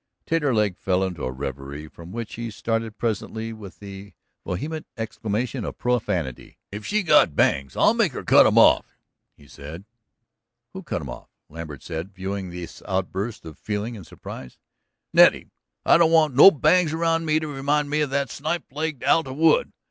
Taterleg fell into a reverie, from which he started presently with a vehement exclamation of profanity. "If she's got bangs, I'll make her cut 'em off!" he said. "Who cut 'em off?" Lambert asked, viewing this outburst of feeling in surprise. "Nettie! I don't want no bangs around me to remind me of that snipe legged Alta Wood.